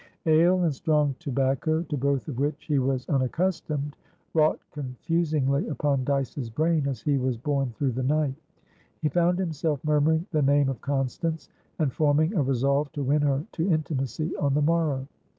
Ale and strong tobacco, to both of which he was unaccustomed, wrought confusingly upon Dyce's brain as he was borne through the night. He found himself murmuring the name of Constance, and forming a resolve to win her to intimacy on the morrow.